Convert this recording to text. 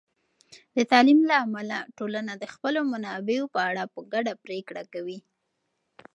د تعلیم له امله، ټولنه د خپلو منابعو په اړه په ګډه پرېکړه کوي.